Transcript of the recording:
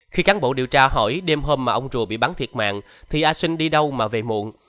khi cán bộ điều tra hỏi đêm hôm mà ông rùa bị bắn thiệt mạng thì a sinh đi đâu mà về muộn